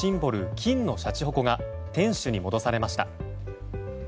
金のしゃちほこが天守に戻されました。